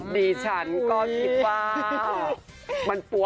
ดิฉันก็คิดว่า